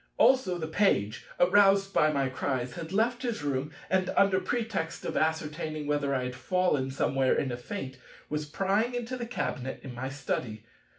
Also the Page, aroused by my cries, had left his room, and under pretext of ascertaining whether I had fallen somewhere in a faint, was prying into the cabinet in my study.